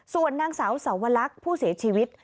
ส่วนนางสาวสาวลักษณ์ผู้เสียชีวิต